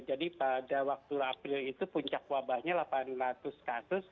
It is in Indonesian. jadi pada waktu april itu puncak wabahnya delapan ratus kasus